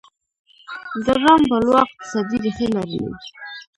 د رام بلوا اقتصادي ریښې لرلې.